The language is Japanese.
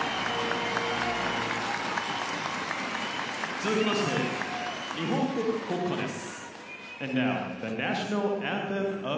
続きまして、日本国国家です。